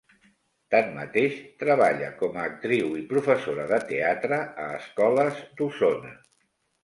Tanmateix, treballa com a actriu i professora de teatre a escoles d'Osona.